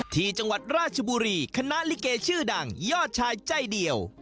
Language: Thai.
ที่จังหวัดราชบุรีคณะลิเกชื่อดังยอดชายใจเดียว